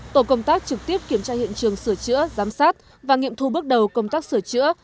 tổ công tác trực tiếp kiểm tra hiện trường sửa chữa giám sát và nghiệm thu bước đầu công tác sửa chữa